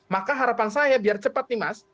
maka harapan saya biar cepat nih mas